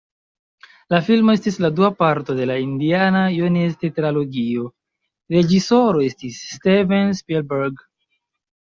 La filmo estis la dua parto de la Indiana-Jones-tetralogio, reĝisoro estis Steven Spielberg.